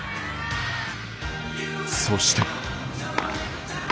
そして。